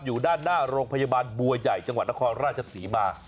อยู่ด้านหน้าโรงพยาบาลบัวใหญ่จังหวัดนครราชศรีมา